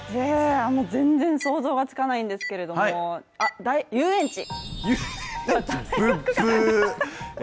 全然想像がつかないんですけれども、遊園地？